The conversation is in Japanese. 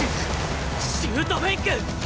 シュート・フェイク！